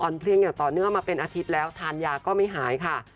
เพลงอย่างต่อเนื่องมาเป็นอาทิตย์แล้วทานยาก็ไม่หายค่ะ